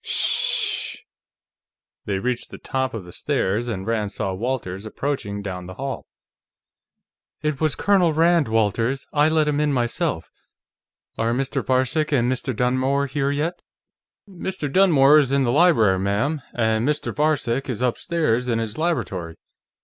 "Ssssh!" They reached the top of the stairs, and Rand saw Walters approaching down the hall. "It was Colonel Rand, Walters; I let him in myself. Are Mr. Varcek and Mr. Dunmore here, yet?" "Mr. Dunmore is in the library, ma'am, and Mr. Varcek is upstairs, in his laboratory.